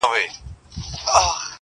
زموږ يقين دئ عالمونه به حيران سي؛